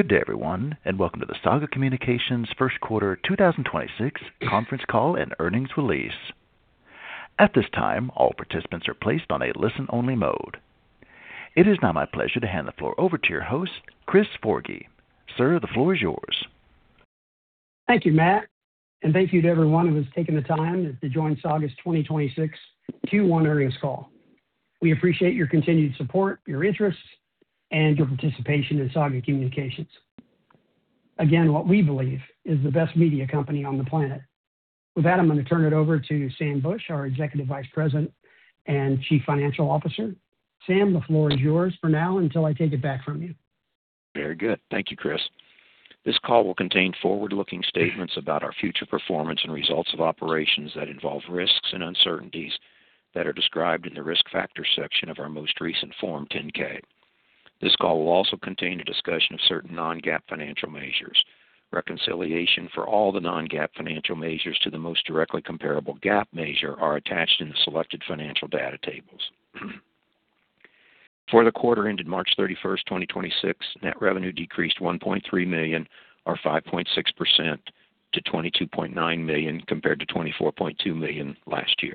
Good day, everyone, welcome to the Saga Communications first quarter 2026 conference call and earnings release. At this time, all participants are placed on a listen-only mode. It is now my pleasure to hand the floor over to your host, Chris Forgy. Sir, the floor is yours. Thank you, Matt, and thank you to everyone who has taken the time to join Saga's 2026 Q1 earnings call. We appreciate your continued support, your interest, and your participation in Saga Communications. Again, what we believe is the best media company on the planet. With that, I'm going to turn it over to Sam Bush, our Executive Vice President and Chief Financial Officer. Sam, the floor is yours for now until I take it back from you. Very good. Thank you, Chris. This call will contain forward-looking statements about our future performance and results of operations that involve risks and uncertainties that are described in the Risk Factors section of our most recent Form 10-K. This call will also contain a discussion of certain non-GAAP financial measures. Reconciliation for all the non-GAAP financial measures to the most directly comparable GAAP measure are attached in the selected financial data tables. For the quarter ended March 31st, 2026, net revenue decreased $1.3 million or 5.6% to $22.9 million compared-$24.2 million last year.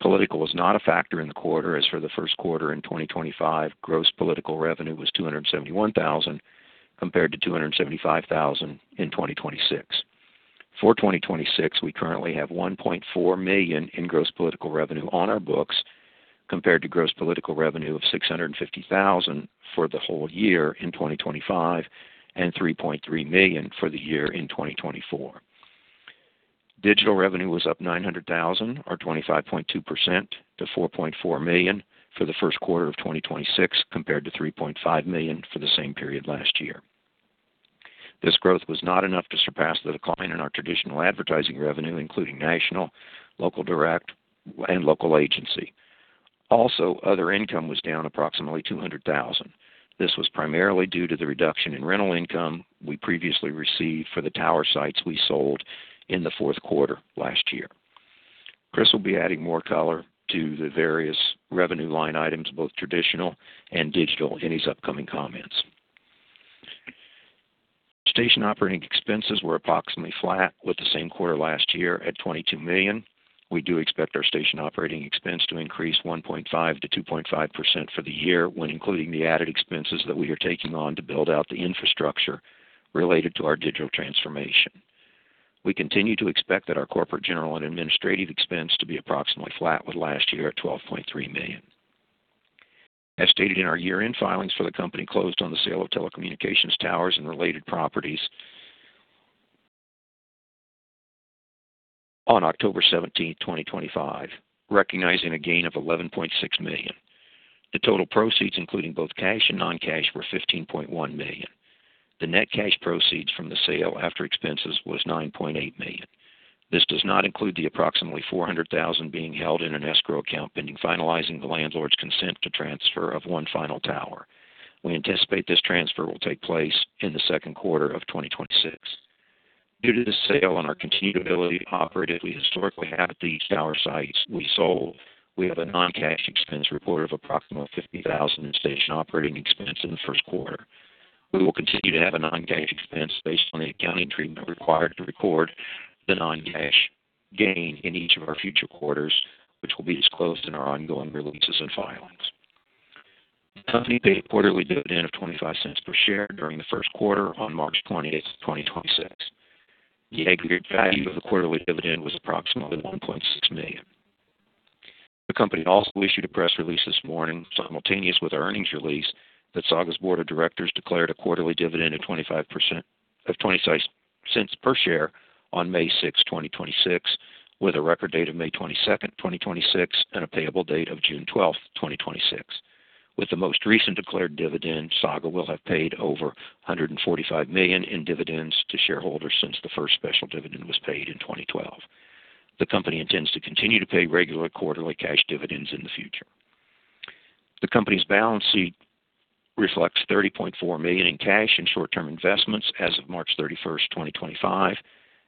Political was not a factor in the quarter, as for the first quarter in 2025, gross political revenue was $271,000 compared-$275,000 in 2026. For 2026, we currently have $1.4 million in gross political revenue on our books, compared to gross political revenue of $650,000 for the whole year in 2025 and $3.3 million for the year in 2024. Digital revenue was up $900,000 or 25.2% to $4.4 million for the first quarter of 2026 compared-$3.5 million for the same period last year. This growth was not enough to surpass the decline in our traditional advertising revenue, including national, local direct, and local agency. Other income was down approximately $200,000. This was primarily due to the reduction in rental income we previously received for the tower sites we sold in the fourth quarter last year. Chris will be adding more color to the various revenue line items, both traditional and digital, in his upcoming comments. Station operating expenses were approximately flat with the same quarter last year at $22 million. We do expect our station operating expense to increase 1.5%-2.5% for the year when including the added expenses that we are taking on to build out the infrastructure related to our digital transformation. We continue to expect that our corporate general and administrative expense to be approximately flat with last year at $12.3 million. As stated in our year-end filings for the company closed on the sale of telecommunications towers and related properties on October 17, 2025, recognizing a gain of $11.6 million. The total proceeds, including both cash and non-cash, were $15.1 million. The net cash proceeds from the sale after expenses was $9.8 million. This does not include the approximately $400,000 being held in an escrow account pending finalizing the landlord's consent to transfer of one final tower. We anticipate this transfer will take place in the second quarter of 2026. Due to the sale and our continued ability to operate as we historically have at these tower sites we sold, we have a non-cash expense report of approximately $50,000 in station operating expense in the first quarter. We will continue to have a non-cash expense based on the accounting treatment required to record the non-cash gain in each of our future quarters, which will be disclosed in our ongoing releases and filings. The company paid a quarterly dividend of $0.25 per share during the first quarter on March 20, 2026. The aggregate value of the quarterly dividend was approximately $1.6 million. The company also issued a press release this morning simultaneous with our earnings release that Saga's board of directors declared a quarterly dividend of $0.25 per share on May 6, 2026, with a record date of May 22, 2026, and a payable date of June 12, 2026. With the most recent declared dividend, Saga will have paid over $145 million in dividends to shareholders since the first special dividend was paid in 2012. The company intends to continue to pay regular quarterly cash dividends in the future. The company's balance sheet reflects $30.4 million in cash and short-term investments as of March 31, 2025,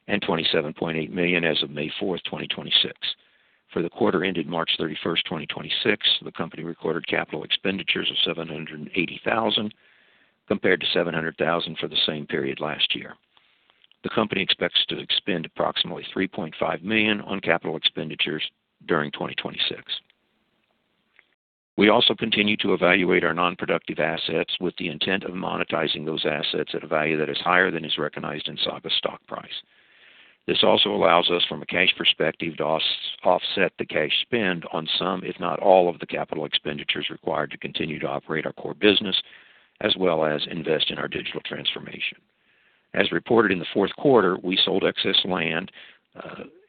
and $27.8 million as of May 4, 2026. For the quarter ended March 31st, 2026, the company recorded capital expenditures of $780,000 compared to $700,000 for the same period last year. The company expects to expend approximately $3.5 million on capital expenditures during 2026. We also continue to evaluate our non-productive assets with the intent of monetizing those assets at a value that is higher than is recognized in Saga's stock price. This also allows us, from a cash perspective, to offset the cash spend on some, if not all, of the capital expenditures required to continue to operate our core business as well as invest in our digital transformation. As reported in the fourth quarter, we sold excess land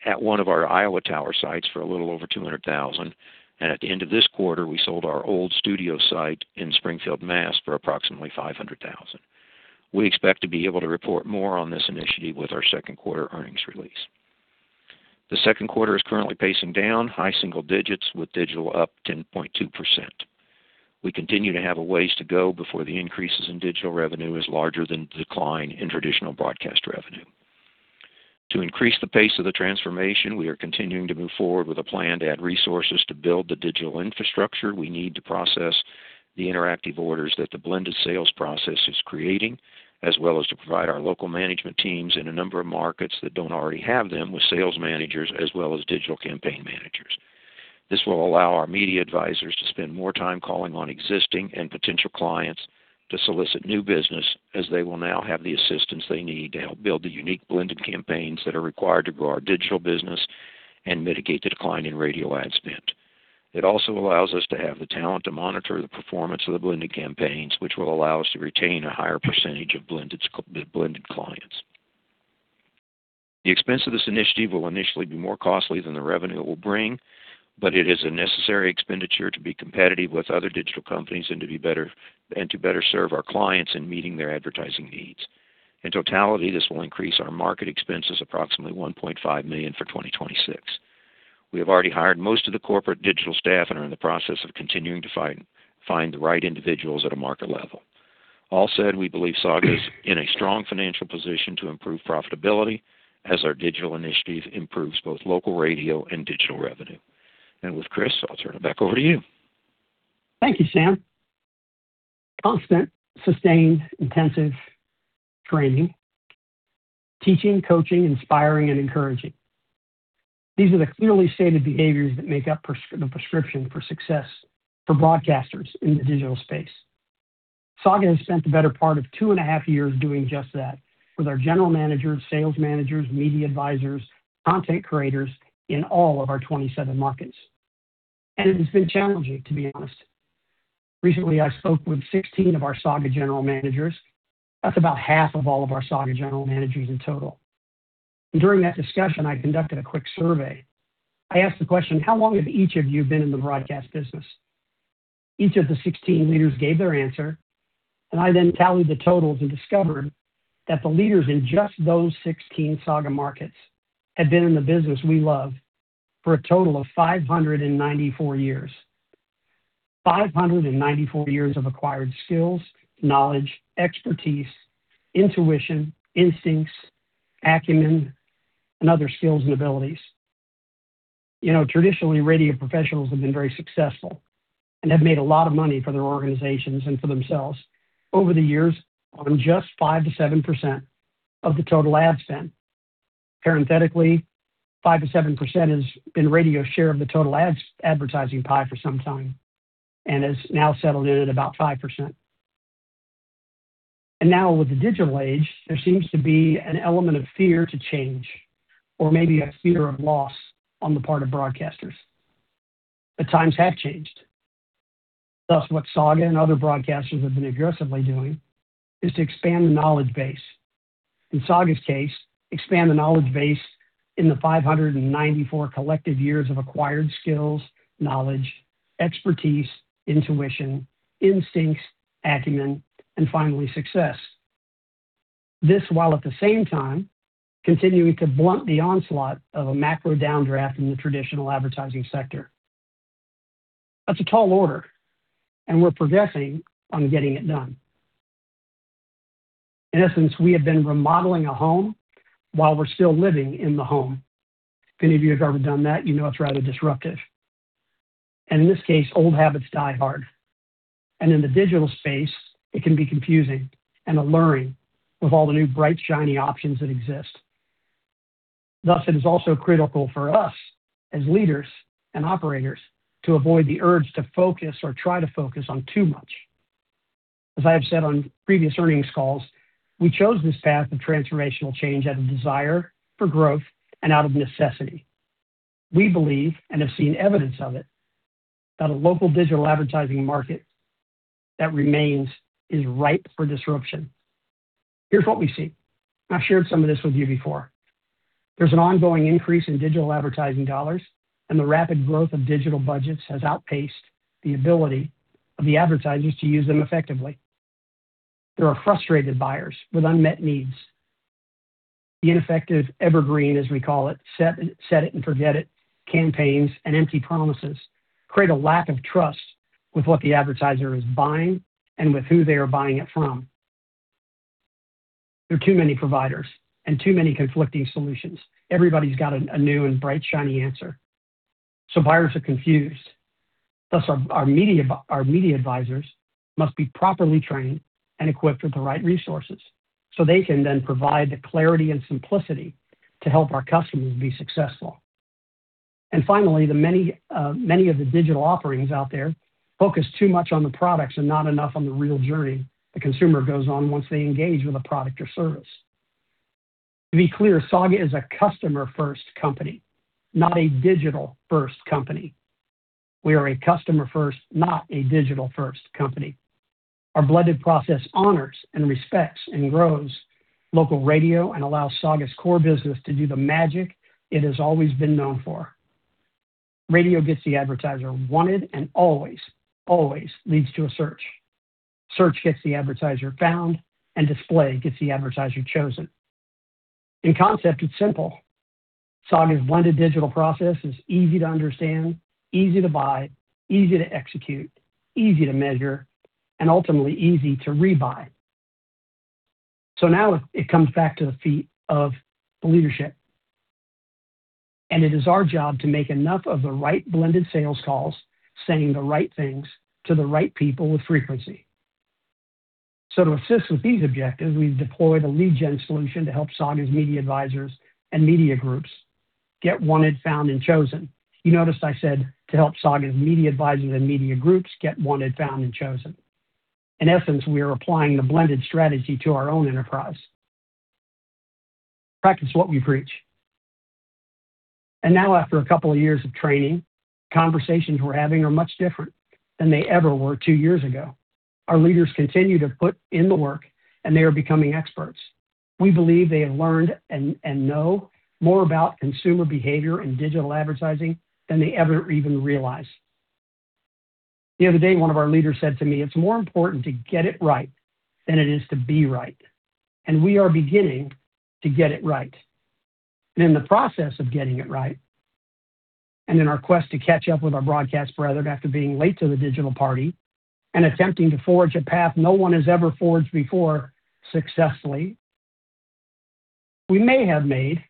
at one of our Iowa tower sites for a little over $200,000, and at the end of this quarter, we sold our old studio site in Springfield, Mass for approximately $500,000. We expect to be able to report more on this initiative with our second quarter earnings release. The second quarter is currently pacing down high single digits with digital up 10.2%. We continue to have a ways to go before the increases in digital revenue is larger than the decline in traditional broadcast revenue. To increase the pace of the transformation, we are continuing to move forward with a plan to add resources to build the digital infrastructure we need to process the interactive orders that the blended sales process is creating, as well as to provide our local management teams in a number of markets that don't already have them with sales managers as well as digital campaign managers. This will allow our media advisors to spend more time calling on existing and potential clients to solicit new business, as they will now have the assistance they need to help build the unique blended campaigns that are required to grow our digital business and mitigate the decline in radio ad spend. It also allows us to have the talent to monitor the performance of the blended campaigns, which will allow us to retain a higher percentage of blended clients. The expense of this initiative will initially be more costly than the revenue it will bring, but it is a necessary expenditure to be competitive with other digital companies and to better serve our clients in meeting their advertising needs. In totality, this will increase our market expenses approximately $1.5 million for 2026. We have already hired most of the corporate digital staff and are in the process of continuing to find the right individuals at a market level. All said, we believe Saga is in a strong financial position to improve profitability as our digital initiative improves both local radio and digital revenue. With Chris, I'll turn it back over to you. Thank you, Sam. Constant, sustained, intensive training. Teaching, coaching, inspiring, and encouraging. These are the clearly stated behaviors that make up the prescription for success for broadcasters in the digital space. Saga has spent the better part of two and a half years doing just that with our general managers, sales managers, media advisors, content creators in all of our 27 markets. It has been challenging, to be honest. Recently, I spoke with 16 of our Saga general managers. That's about half of all of our Saga general managers in total. During that discussion, I conducted a quick survey. I asked the question: how long have each of you been in the broadcast business? Each of the 16 leaders gave their answer. Then I tallied the totals and discovered that the leaders in just those 16 Saga markets had been in the business we love for a total of 594 years. 594 years of acquired skills, knowledge, expertise, intuition, instincts, acumen, and other skills and abilities. You know, traditionally, radio professionals have been very successful and have made a lot of money for their organizations and for themselves over the years on just 5%-7% of the total ad spend. Parenthetically, 5%-7% has been radio's share of the total advertising pie for some time and has now settled in at about 5%. Now with the digital age, there seems to be an element of fear to change or maybe a fear of loss on the part of broadcasters. Times have changed. Thus, what Saga and other broadcasters have been aggressively doing is to expand the knowledge base. In Saga's case, expand the knowledge base in the 594 collective years of acquired skills, knowledge, expertise, intuition, instincts, acumen, and finally, success. This while at the same time continuing to blunt the onslaught of a macro downdraft in the traditional advertising sector. That's a tall order, and we're progressing on getting it done. In essence, we have been remodeling a home while we're still living in the home. If any of you have ever done that, you know it's rather disruptive. In this case, old habits die hard. In the digital space, it can be confusing and alluring with all the new bright, shiny options that exist. Thus, it is also critical for us as leaders and operators to avoid the urge to focus or try to focus on too much. As I have said on previous earnings calls, we chose this path of transformational change out of desire for growth and out of necessity. We believe, and have seen evidence of it, that a local digital advertising market that remains is ripe for disruption. Here's what we see. I've shared some of this with you before. There's an ongoing increase in digital advertising dollars, and the rapid growth of digital budgets has outpaced the ability of the advertisers to use them effectively. There are frustrated buyers with unmet needs. The ineffective evergreen, as we call it, set-it-and-forget-it campaigns and empty promises create a lack of trust with what the advertiser is buying and with who they are buying it from. There are too many providers and too many conflicting solutions. Everybody's got a new and bright, shiny answer. Buyers are confused. Thus our media advisors must be properly trained and equipped with the right resources so they can then provide the clarity and simplicity to help our customers be successful. Finally, many of the digital offerings out there focus too much on the products and not enough on the real journey the consumer goes on once they engage with a product or service. To be clear, Saga is a customer-first company, not a digital-first company. We are a customer-first, not a digital-first company. Our blended process honors and respects and grows local radio and allows Saga's core business to do the magic it has always been known for. Radio gets the advertiser wanted and always leads to a search. Search gets the advertiser found, and display gets the advertiser chosen. In concept, it's simple. Saga's blended digital process is easy to understand, easy to buy, easy to execute, easy to measure, and ultimately easy to rebuy. Now it comes back to the feet of the leadership, and it is our job to make enough of the right blended sales calls, saying the right things to the right people with frequency. To assist with these objectives, we've deployed a lead gen solution to help Saga's media advisors and media groups get wanted, found, and chosen. You noticed I said, to help Saga's media advisors and media groups get wanted, found, and chosen. In essence, we are applying the blended strategy to our own enterprise. Practice what we preach. Now, after a couple of years of training, conversations we're having are much different than they ever were two years ago. Our leaders continue to put in the work, and they are becoming experts. We believe they have learned and know more about consumer behavior and digital advertising than they ever even realized. The other day, one of our leaders said to me, "It's more important to get it right than it is to be right." We are beginning to get it right. In the process of getting it right, and in our quest to catch up with our broadcast brethren after being late to the digital party and attempting to forge a path no one has ever forged before successfully, we may have made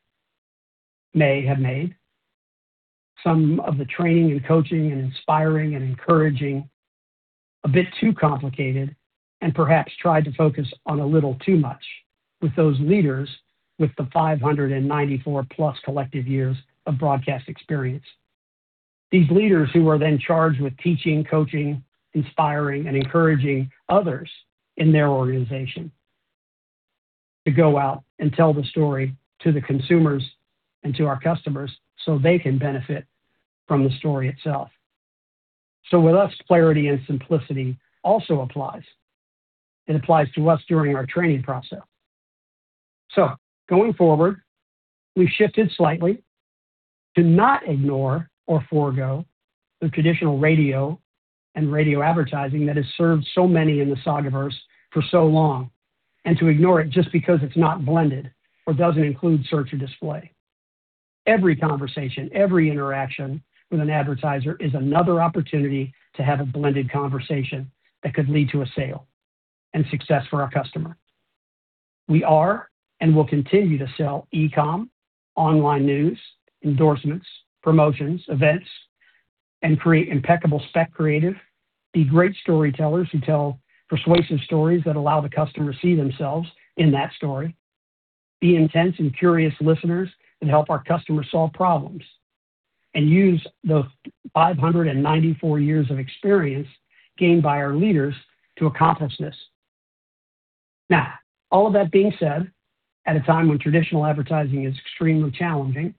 some of the training and coaching and inspiring and encouraging a bit too complicated and perhaps tried to focus on a little too much with those leaders with the 594+ collective years of broadcast experience. These leaders who are then charged with teaching, coaching, inspiring, and encouraging others in their organization to go out and tell the story to the consumers and to our customers, so they can benefit from the story itself. With us, clarity and simplicity also applies. It applies to us during our training process. Going forward, we've shifted slightly to not ignore or forgo the traditional radio and radio advertising that has served so many in the Sagaverse for so long, and to ignore it just because it's not blended or doesn't include search or display. Every conversation, every interaction with an advertiser is another opportunity to have a blended conversation that could lead to a sale and success for our customer. We are and will continue to sell e-com, online news, endorsements, promotions, events, and create impeccable spec creative. Be great storytellers who tell persuasive stories that allow the customer to see themselves in that story. Be intense and curious listeners, and help our customers solve problems. Use the 594 years of experience gained by our leaders to accomplish this. All of that being said, at a time when traditional advertising is extremely challenging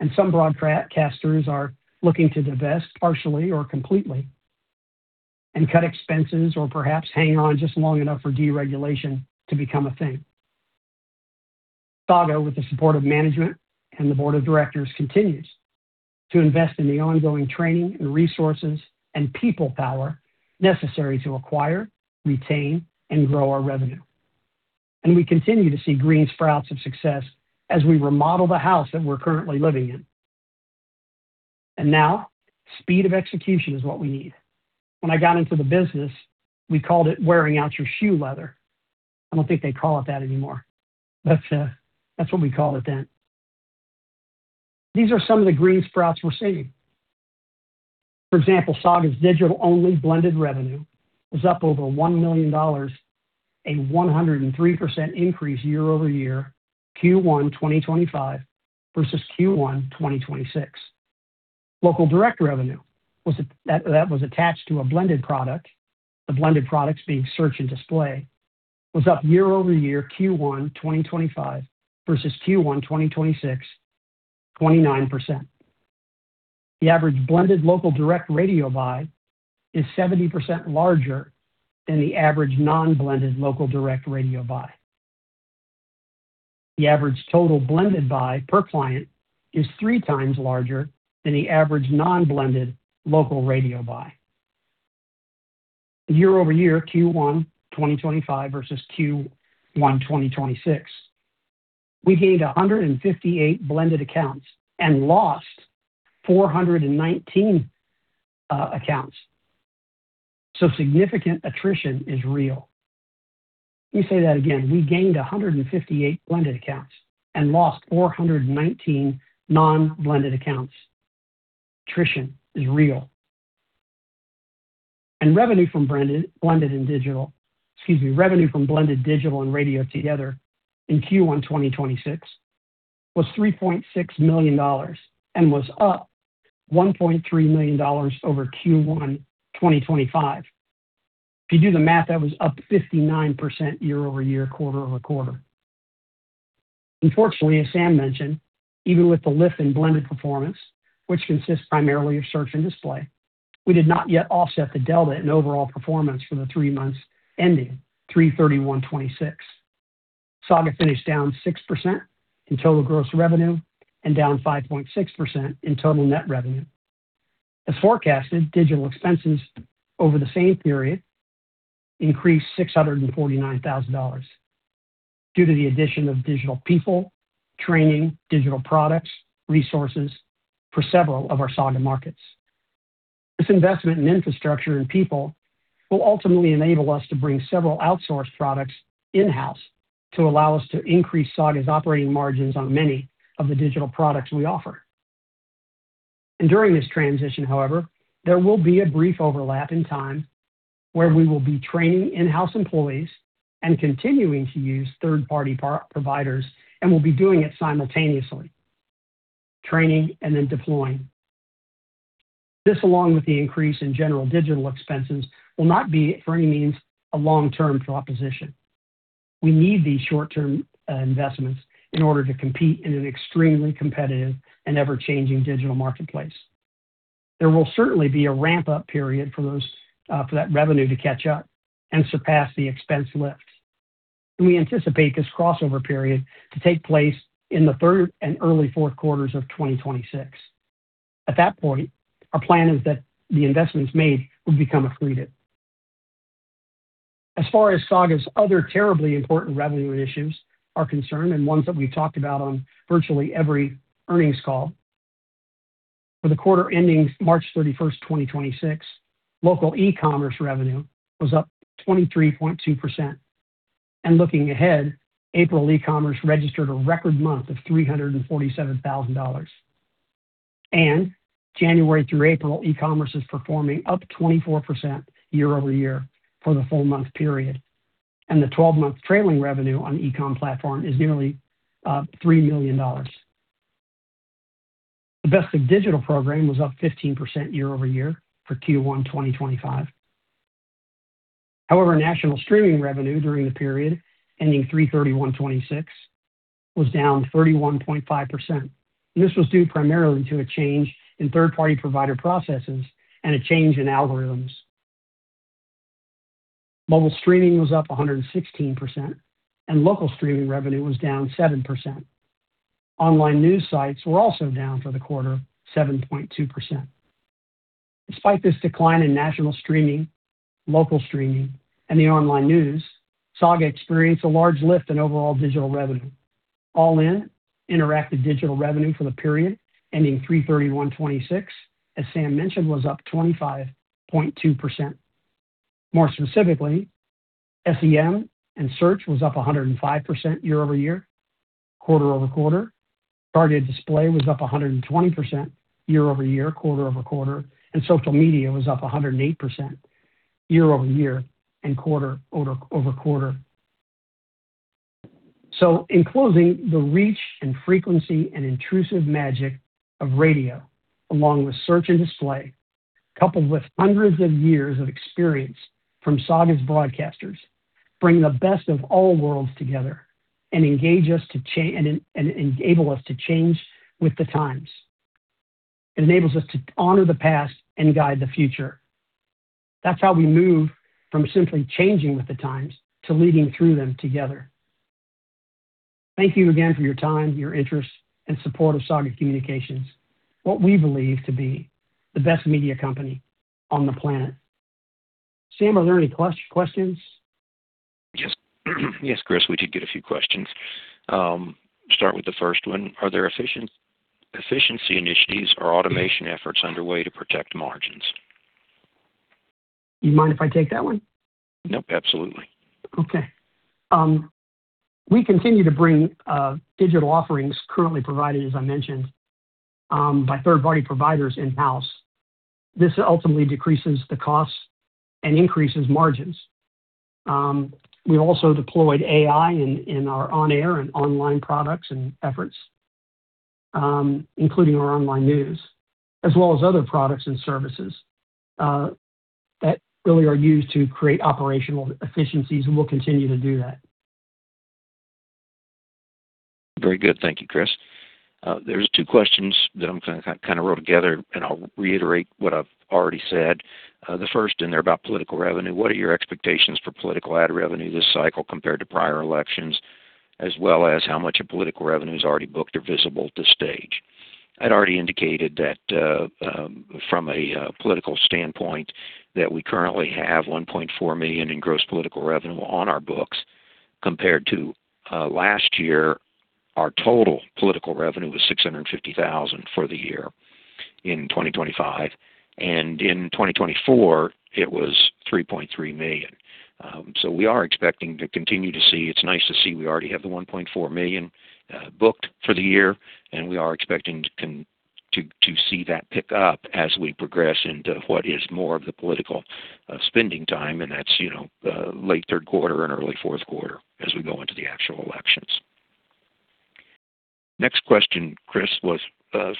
and some broadcasters are looking to divest partially or completely and cut expenses or perhaps hang on just long enough for deregulation to become a thing. Saga, with the support of management and the board of directors, continues to invest in the ongoing training, resources, and people power necessary to acquire, retain, and grow our revenue. We continue to see green sprouts of success as we remodel the house that we're currently living in. Now speed of execution is what we need. When I got into the business, we called it wearing out your shoe leather. I don't think they call it that anymore, but that's what we called it then. These are some of the green sprouts we're seeing. For example, Saga's digital-only blended revenue was up over $1 million, a 103% increase year-over-year, Q1 2025 versus Q1 2026. Local direct revenue that was attached to a blended product. The blended products being search and display was up year-over-year Q1 2025 versus Q1 2026, 29%. The average blended local direct radio buy is 70% larger than the average non-blended local direct radio buy. The average total blended buy per client is three times larger than the average non-blended local radio buy. Year-over-year Q1 2025 versus Q1 2026, we gained 158 blended accounts and lost 419 accounts. Significant attrition is real. Let me say that again. We gained 158 blended accounts and lost 419 non-blended accounts. Attrition is real. Revenue from blended digital and radio together in Q1 2026 was $3.6 million and was up $1.3 million over Q1 2025. If you do the math, that was up 59% year-over-year, quarter-over-quarter. Unfortunately, as Sam mentioned, even with the lift in blended performance, which consists primarily of search and display, we did not yet offset the delta in overall performance for the three months ending 03/31/2026. Saga finished down 6% in total gross revenue and down 5.6% in total net revenue. As forecasted, digital expenses over the same period increased $649,000 due to the addition of digital people, training, digital products, resources for several of our Saga markets. This investment in infrastructure and people will ultimately enable us to bring several outsourced products in-house to allow us to increase Saga's operating margins on many of the digital products we offer. During this transition, however, there will be a brief overlap in time where we will be training in-house employees and continuing to use third-party providers, and we'll be doing it simultaneously, training and then deploying. This, along with the increase in general digital expenses, will not be, for any means, a long-term proposition. We need these short-term investments in order to compete in an extremely competitive and ever-changing digital marketplace. There will certainly be a ramp-up period for those, for that revenue to catch up and surpass the expense lift. We anticipate this crossover period to take place in the third and early fourth quarters of 2026. At that point, our plan is that the investments made will become accretive. As far as Saga's other terribly important revenue initiatives are concerned, ones that we've talked about on virtually every earnings call, for the quarter ending March 31st, 2026, local e-commerce revenue was up 23.2%. Looking ahead, April e-commerce registered a record month of $347,000. January through April, e-commerce is performing up 24% year-over-year for the full month period. The 12-month trailing revenue on e-com platform is nearly $3 million. The Best of Digital program was up 15% year-over-year for Q1 2025. However, national streaming revenue during the period ending 03/31/2026 was down 31.5%. This was due primarily to a change in third-party provider processes and a change in algorithms. Mobile streaming was up 116%, and local streaming revenue was down 7%. Online news sites were also down for the quarter 7.2%. Despite this decline in national streaming, local streaming, and the online news, Saga experienced a large lift in overall digital revenue. All in, interactive digital revenue for the period ending 03/31/2026, as Sam mentioned, was up 25.2%. More specifically, SEM and search was up 105% year-over-year, quarter-over-quarter. Targeted display was up 120% year-over-year, quarter-over-quarter. Social media was up 108% year-over-year and quarter-over-quarter. In closing, the reach and frequency and intrusive magic of radio, along with search and display, coupled with hundreds of years of experience from Saga's broadcasters, bring the best of all worlds together and enable us to change with the times. It enables us to honor the past and guide the future. That's how we move from simply changing with the times to leading through them together. Thank you again for your time, your interest, and support of Saga Communications, what we believe to be the best media company on the planet. Sam, are there any questions? Yes. Yes, Chris, we did get a few questions. Start with the first one. Are there efficiency initiatives or automation efforts underway to protect margins? You mind if I take that one? Yup. Absolutely. Okay. We continue to bring digital offerings currently provided, as I mentioned, by third-party providers in-house. This ultimately decreases the costs and increases margins. We also deployed AI in our on-air and online products and efforts, including our online news, as well as other products and services, that really are used to create operational efficiencies, and we'll continue to do that. Very good. Thank you, Chris. There's two questions that I'm gonna kind of roll together, I'll reiterate what I've already said. The first in there about political revenue. What are your expectations for political ad revenue this cycle compared to prior elections, as well as how much of political revenue is already booked or visible at this stage? I'd already indicated that, from a political standpoint, that we currently have $1.4 million in gross political revenue on our books compared to last year, our total political revenue was $650,000 for the year in 2025. In 2024, it was $3.3 million. We are expecting to continue to see. It's nice to see we already have $1.4 million booked for the year, and we are expecting to see that pick up as we progress into what is more of the political spending time, and that's, you know, late third quarter and early fourth quarter as we go into the actual elections. Next question, Chris, was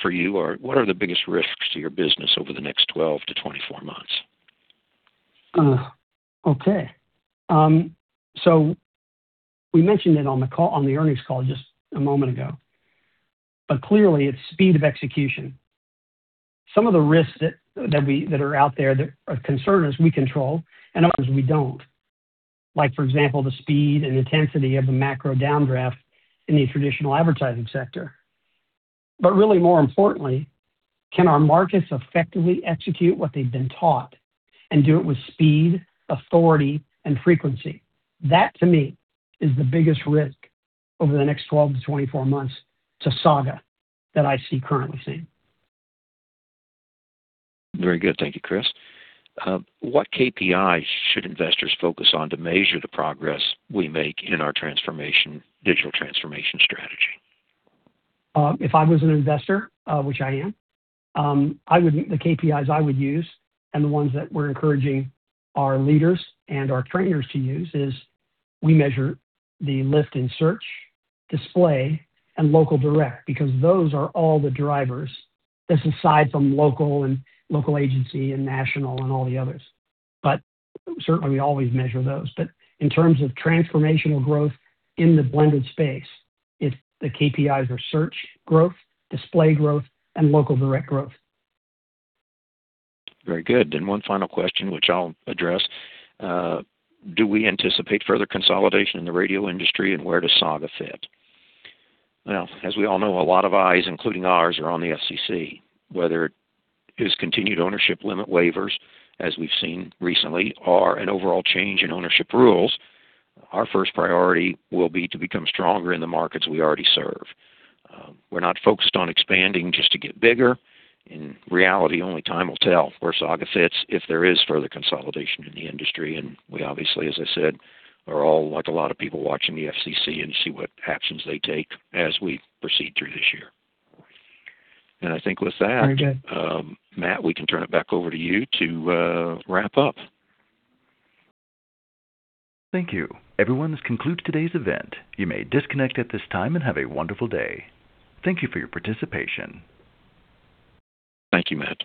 for you. What are the biggest risks to your business over the next 12-24 months? Okay. We mentioned it on the earnings call just a moment ago. Clearly, it's speed of execution. Some of the risks that are out there that are concerns we control and others we don't. Like, for example, the speed and intensity of the macro downdraft in the traditional advertising sector. Really more importantly, can our markets effectively execute what they've been taught and do it with speed, authority, and frequency? That, to me, is the biggest risk over the next 12-24 months to Saga that I see currently seeing. Very good. Thank you, Chris. What KPI should investors focus on to measure the progress we make in our digital transformation strategy? If I was an investor, which I am, the KPIs I would use and the ones that we're encouraging our leaders and our trainers to use is we measure the lift in search, display, and local direct because those are all the drivers. That's aside from local and local agency and national and all the others. Certainly, we always measure those. In terms of transformational growth in the blended space, it's the KPIs are search growth, display growth, and local direct growth. Very good. One final question, which I'll address. Do we anticipate further consolidation in the radio industry, and where does Saga fit? As we all know, a lot of eyes, including ours, are on the FCC, whether it is continued ownership limit waivers, as we've seen recently, or an overall change in ownership rules. Our first priority will be to become stronger in the markets we already serve. We're not focused on expanding just to get bigger. In reality, only time will tell where Saga fits if there is further consolidation in the industry. We obviously, as I said, are all, like a lot of people, watching the FCC and see what actions they take as we proceed through this year. I think with that. Very good. Matt, we can turn it back over to you to wrap up. Thank you. Everyone, this concludes today's event. You may disconnect at this time and have a wonderful day. Thank you for your participation. Thank you, Matt.